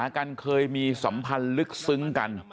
กันเคยมีสัมพันธ์ลึกซึ้งกัน